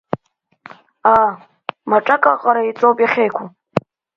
Аа, маҿак аҟара еиҵоуп иахьеиқәу!